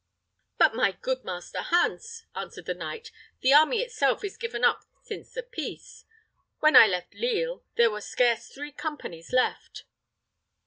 "But, my good Master Hans," answered the knight, "the army itself is given up since the peace. When I left Lisle, there were scarce three companies left."